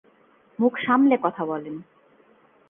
মুখ সামলে কথা বলেন!